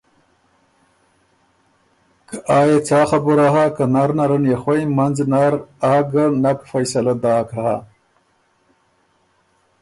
که آ يې څا خبُره هۀ که نر نرن خوئ منځ نر آ ګۀ نک فیصلۀ داک هۀ